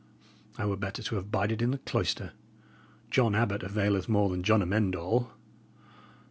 I were better to have bided in the cloister. John Abbot availeth more than John Amend All.